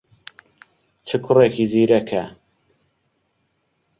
چ کوڕێکی زیرەکە!